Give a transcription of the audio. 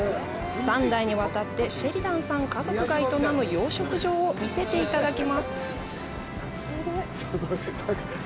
３代に渡ってシェリダンさん家族が営む養殖場を見せていただきます。